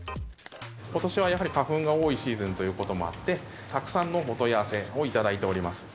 ことしはやはり花粉が多いシーズンということもあって、たくさんのお問い合わせをいただいております。